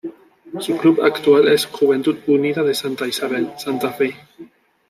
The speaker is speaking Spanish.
Su club actual es Juventud Unida de Santa Isabel, Santa Fe.